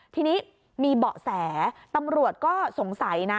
ทีนี้มีเบาะแสตำรวจก็สงสัยนะ